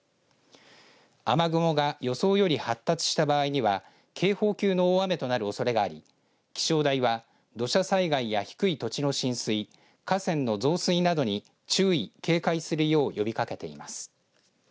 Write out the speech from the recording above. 雨雲は予想より発達した場合には警報級の大雨となるおそれがあり気象台は土砂災害や低い土地の浸水河川の増水などに注意、警戒するよう呼びかけています。